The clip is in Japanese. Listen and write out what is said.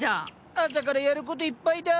朝からやる事いっぱいだあ。